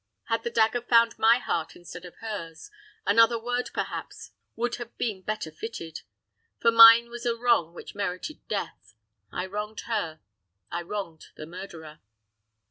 Had the dagger found my heart instead of hers, another word, perhaps, would have been better fitted; for mine was a wrong which merited death. I wronged her; I wronged her murderer."